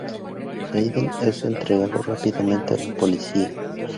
Hayden es entregado rápidamente a la policía.